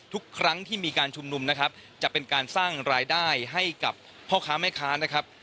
ทุกครั้งที่มีการชุมนุมนะครับจะเป็นการสร้างรายได้ให้กับพ่อค้าแม่ค้านะครับ